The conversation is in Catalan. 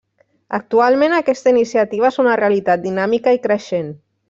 Actualment aquesta iniciativa és una realitat dinàmica i creixent.